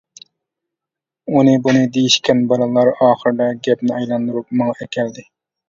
ئۇنى-بۇنى دېيىشكەن بالىلار ئاخىرىدا گەپنى ئايلاندۇرۇپ ماڭا ئەكەلدى.